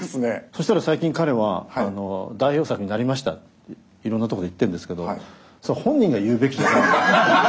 そしたら最近彼は代表作になりましたっていろんなとこで言ってんですけど本人が言うべきじゃない。